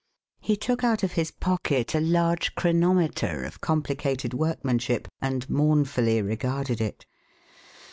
He took out of his pocket a large chronometer of complicated workmanship, and mournfully regarded it.